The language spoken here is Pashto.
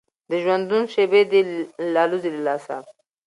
د ژوندون شېبې دي الوزي له لاسه